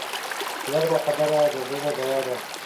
نرمه خبره د زړونو دوا ده